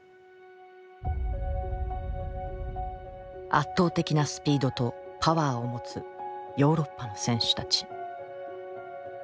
圧倒的なスピードとパワーを持つヨーロッパの選手たち。